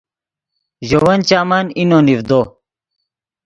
ژے ون چامن اینو نیڤدو